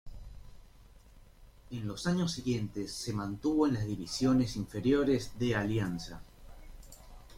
En los años siguientes se mantuvo en las divisiones inferiores de Alianza.